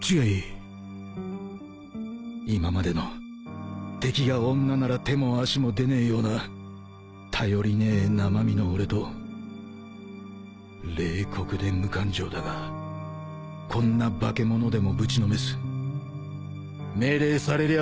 今までの敵が女なら手も足も出ねえような頼りねえ生身の俺と冷酷で無感情だがこんな化け物でもぶちのめす命令されりゃ